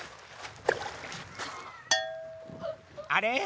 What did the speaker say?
あれ？